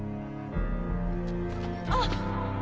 あっ！